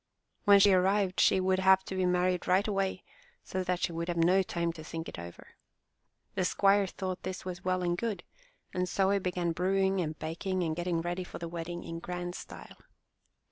When she arrived she would have to be married right away, so that she would have no time to think it over. The squire thought this was well and good, and so he began brewing and baking and getting ready for the wedding in grand style.